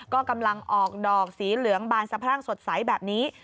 ก็กำลังออกดอกสีเหลืองบานสะพรั่งสดใสแบบนี้